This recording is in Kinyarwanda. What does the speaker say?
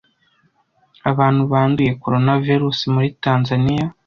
abantu banduye coronavirus muri Tanzania